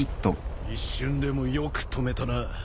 一瞬でもよく止めたな。